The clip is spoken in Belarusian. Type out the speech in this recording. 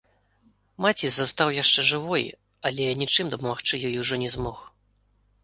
Маці застаў яшчэ жывой, але нічым дапамагчы ёй ужо не змог.